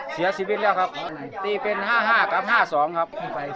เสียสิบินแล้วครับตีเป็นห้าห้ากับห้าสองครับ